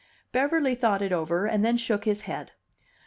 Beverly thought it over, and then shook his head.